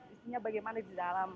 isinya bagaimana di dalam